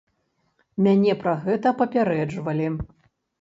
Мяне пра гэта папярэджвалі.